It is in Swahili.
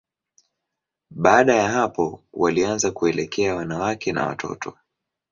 Baada ya hapo, walianza kuelekea wanawake na watoto.